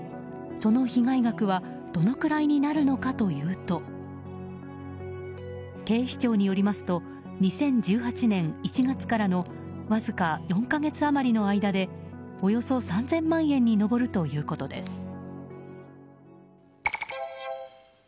その被害額はどのくらいになるのかというと警視庁によりますと２０１８年１月からのわずか４か月余りの間でおよそ３０００万円に上るということです。